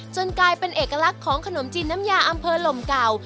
กลายเป็นเอกลักษณ์ของขนมจีนน้ำยาอำเภอลมเก่า